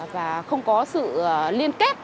và không có sự liên kết